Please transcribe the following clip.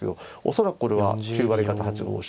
恐らくこれは９割方８五飛車。